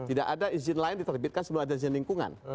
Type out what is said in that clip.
tidak ada izin lain diterbitkan sebelum ada izin lingkungan